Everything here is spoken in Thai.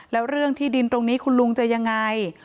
แล้วเรื่องที่ดินตรงนี้คุณลุงจะยังไง